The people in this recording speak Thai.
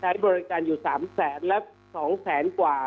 บริการอยู่๓แสนและ๒แสนกว่า